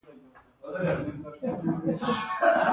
بې وزله باید مرسته شي